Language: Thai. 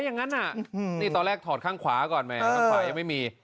อย่างนั้นน่ะนี่ตอนแรกถอดข้างขวาก่อนแหมข้างขวายังไม่มี